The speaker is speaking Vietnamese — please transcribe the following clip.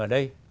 bài ở đây